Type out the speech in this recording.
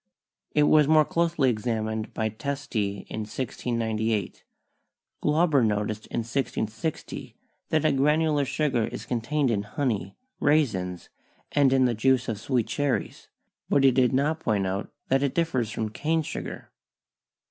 It was more closely examined by Testi in 1698. Glauber noticed in 1660 that a granular sugar is contained in honey, raisins and in the juice of sweet cherries, but he did not point out that it differs from cane sugar.